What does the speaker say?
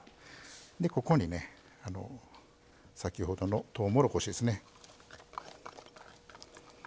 ここにね先ほどのとうもろこしですね。